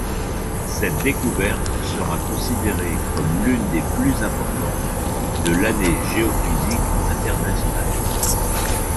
Cette découverte sera considérée comme l'une des plus importantes de l'Année géophysique internationale.